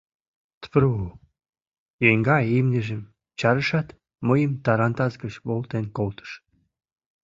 — Тпру! — еҥгай имньыжым чарышат, мыйым тарантас гыч волтен колтыш.